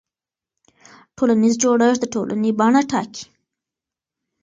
ټولنیز جوړښت د ټولنې بڼه ټاکي.